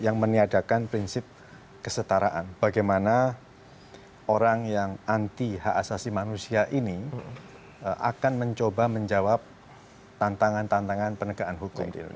yang meniadakan prinsip kesetaraan bagaimana orang yang anti hak asasi manusia ini akan mencoba menjawab tantangan tantangan penegakan hukum di indonesia